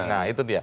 nah itu dia